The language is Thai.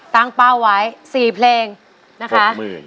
ตั้งเป้าไว้๔เพลงนะคะ